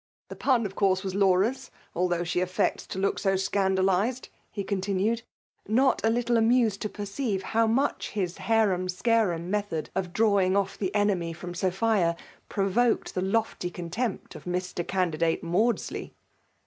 The pun o( course was Laura's, although she affects to look so scandalized l" — ^hc continued; not a little amused to perceive how much his h^rum scarum mode of drawing off the enemy from Sophia provoked the lofty contempt of. Mr. Candidate Maudsley.